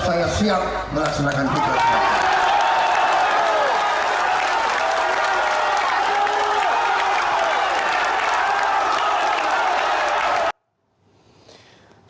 saya siap melaksanakan pidato